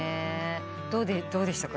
どうでしたか？